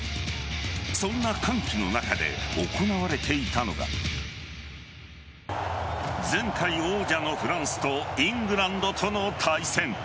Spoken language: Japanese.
そんな歓喜の中で行われていたのが前回王者のフランスとイングランドとの対戦。